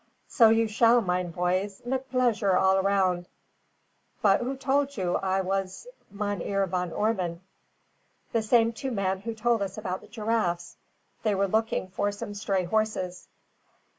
"So you shall, mine poys, mit pleasure all around; put who told you I vas Mynheer Van Ormon?" "The same two men who told us about the giraffes. They were looking for some stray horses."